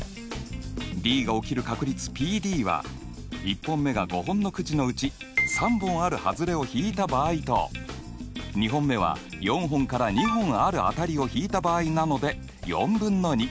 Ｄが起きる確率Ｐは１本目が５本のくじのうち３本あるはずれを引いた場合と２本目は４本から２本ある当たりを引いた場合なので４分の２。